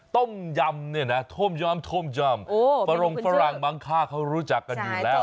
ต้มยำเนี่ยนะต้มยำต้มยำโหบรงกุญชื่อฝรั่งบังคาเขารู้จักกันอยู่แล้ว